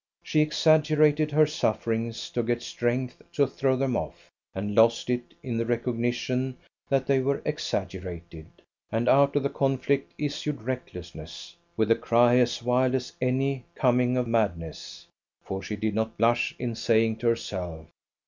She exaggerated her sufferings to get strength to throw them off, and lost it in the recognition that they were exaggerated: and out of the conflict issued recklessness, with a cry as wild as any coming of madness; for she did not blush in saying to herself.